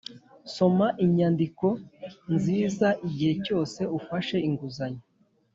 soma inyandiko nziza igihe cyose ufashe inguzanyo.